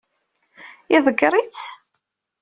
Iḍeggeṛ-itt?